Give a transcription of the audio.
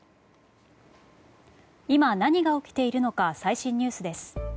今、何が起きているのか最新ニュースです。